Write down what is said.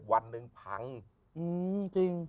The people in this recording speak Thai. วันหนึ่งพังจริง